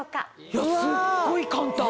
いやすっごい簡単！